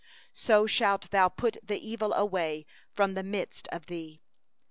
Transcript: So shalt thou put away the evil from the midst of thee.